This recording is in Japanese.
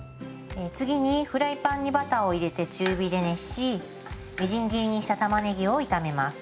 次にフライパンにバターを入れて中火で熱しみじん切りにしたたまねぎを炒めます。